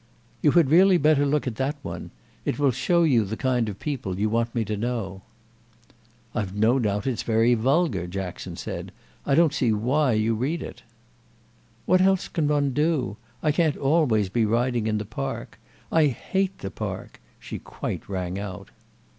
"You had really better look at that one. It will show you the kind of people you want me to know." "I've no doubt it's very vulgar," Jackson said. "I don't see why you read it." "What else can I do? I can't always be riding in the Park. I hate the Park," she quite rang out.